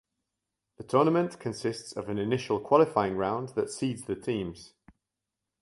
The tournament consists of an initial qualifying round that seeds the teams.